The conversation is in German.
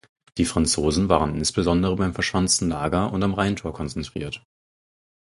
Die Franzosen waren insbesondere beim verschanzten Lager und am Rheintor konzentriert.